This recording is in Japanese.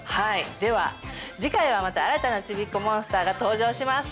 では次回はまた新たなちびっこモンスターが登場します！